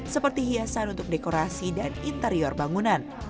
seperti hiasan untuk dekorasi dan interior bangunan